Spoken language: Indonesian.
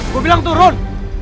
gua bilang turun